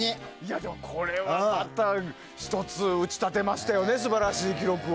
でも、これはまた１つ打ち立てましたよね素晴らしい記録を。